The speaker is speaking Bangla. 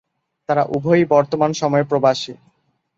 তারা উভয়ই বর্তমান সময়ে প্রবাসী।